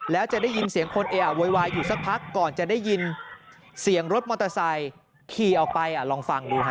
แล้วจะได้ยินเสียงคนเออะโวยวายอยู่สักพักก่อนจะได้ยินเสียงรถมอเตอร์ไซค์ขี่ออกไปลองฟังดูฮะ